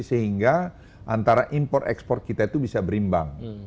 sehingga antara import ekspor kita itu bisa berimbang